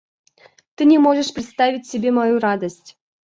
Ты не можешь представить себе мою радость!